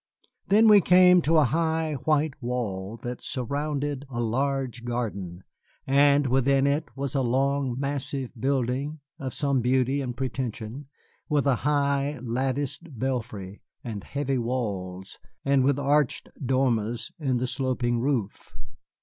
Then we came to a high white wall that surrounded a large garden, and within it was a long, massive building of some beauty and pretension, with a high, latticed belfry and heavy walls and with arched dormers in the sloping roof.